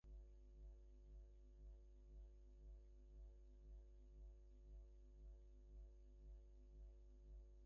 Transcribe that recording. এতে প্রতিপক্ষের হাত শক্তিশালী হবে এবং সার্বিকভাবে বিচার ক্ষতিগ্রস্ত হওয়ার আশঙ্কা থাকবে।